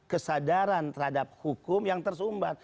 kesadaran terhadap hukum yang tersumbat